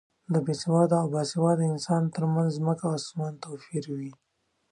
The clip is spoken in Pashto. د بې سواده او با سواده انسانو تر منځ ځمکه او اسمان توپیر وي.